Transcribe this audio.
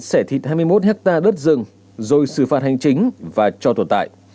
sẻ thịt hai mươi một hectare đất rừng rồi xử phạt hành chính và cho tồn tại